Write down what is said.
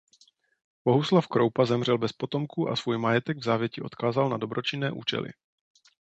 Bohuslav Kroupa zemřel bez potomků a svůj majetek v závěti odkázal na dobročinné účely.